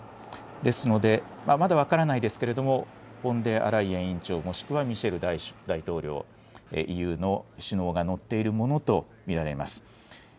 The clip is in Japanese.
ですので、まだ分からないですけれども、フォンデアライエン委員長、もしくはミシェル大統領、ＥＵの首脳が乗っているものと見られます。